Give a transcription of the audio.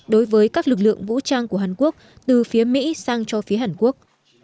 đối với các lực lượng vũ trang của hàn quốc từ phía mỹ sang cho phía hàn quốc